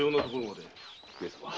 上様。